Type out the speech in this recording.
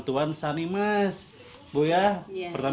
tapi kalau ujung ujungnya jadi nama penyakit